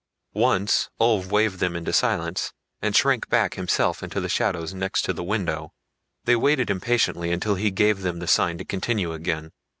Once Ulv waved them into silence, and shrank back himself into the shadows next to the window. They waited impatiently until he gave them the sign to continue again.